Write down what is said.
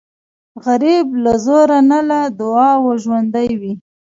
غریب له زوره نه، له دعاو ژوندی وي